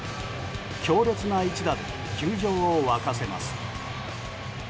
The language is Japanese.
強烈な一打で球場を沸かせます。